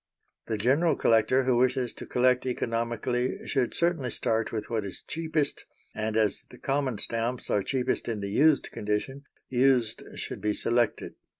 The general collector who wishes to collect economically should certainly start with what is cheapest; and as the common stamps are cheapest in the used condition, used should be selected.